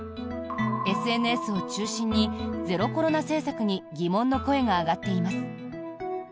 ＳＮＳを中心にゼロコロナ政策に疑問の声が上がっています。